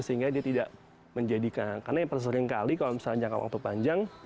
sehingga dia tidak menjadikan karena yang paling sering kali kalau misalnya jangka waktu panjang